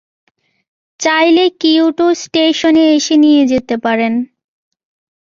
চাইলে কিয়োটো স্টেশনে এসে নিয়ে যেতে পারেন।